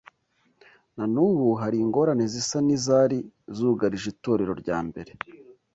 Na n’ubu hari ingorane zisa n’izari zugarije itorero rya mbere